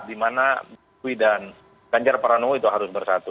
di mana jokowi dan ganjar teranowo itu harus bersatu